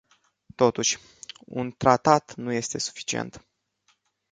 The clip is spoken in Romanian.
Totuși, un tratat nu este suficient.